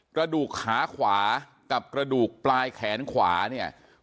กระดูกขาขวากับกระดูกปลายแขนขวาเนี่ย